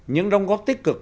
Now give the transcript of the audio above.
những đồng góp tích cực